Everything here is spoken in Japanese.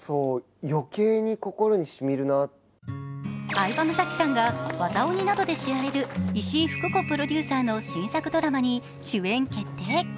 相葉雅紀さんが「渡鬼」などで知られる石井ふく子プロデューサーの新作ドラマに主演決定。